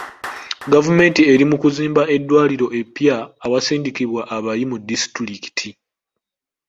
Gavumenti eri mu Kuzimba eddwaliro epya awasindikibwa abayi mu disitulikiti.